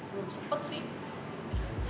belum sempet sih